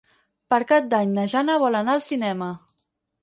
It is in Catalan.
Per Cap d'Any na Jana vol anar al cinema.